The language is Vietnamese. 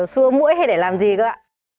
xua mũi hay để làm gì cơ ạ